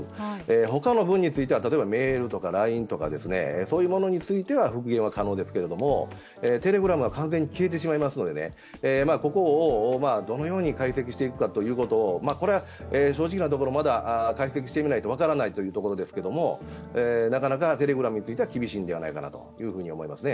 他の分については、例えばメールとかＬＩＮＥとか、そういうものについては復元は可能ですけれどもＴｅｌｅｇｒａｍは完全に消えてしまいますのでここをどのように解析していくかというのはこれは正直なところ、まだ解析してみないと分からないというところですが、なかなかＴｅｌｅｇｒａｍについては厳しいんじゃないかなと思いますね。